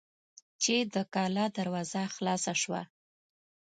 چې د کلا دروازه خلاصه شوه.